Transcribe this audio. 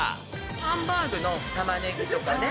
ハンバーグのたまねぎとかね。